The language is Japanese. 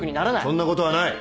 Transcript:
そんなことはない！